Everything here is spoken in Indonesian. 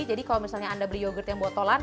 jadi kalau misalnya anda beli yogurt yang botolan